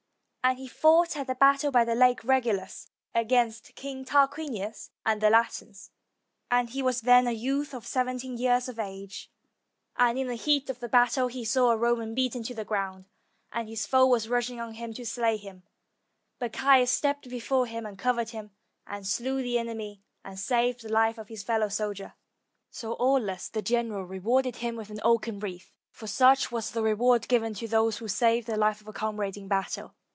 And he fought at the battle by the Lake Regillus, against King Tar quinius and the Latins, and he was then a youth of seventeen years of age; and in the heat of the battle he saw a Roman beaten to the ground, and his foe was rushing on him to slay him; but Caius stepped before him, and covered him, and slew the enemy, and saved the life of his fellow soldier. So Aulus, the general, rewarded him with an oaken wreath, for such was the reward given to those who saved the life of a comrade in battle.